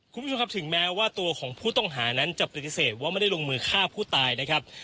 คุณผู้ชมครับถึงแม้ว่าตัวของผู้ต้องหานั้นจะปฏิเสธว่าไม่ได้ลงมือฆ่าผู้ตายนะครับ